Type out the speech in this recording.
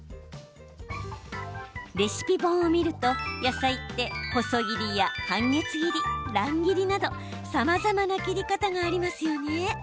レシピ本を見ると野菜って細切りや半月切り、乱切りなどさまざまな切り方がありますよね。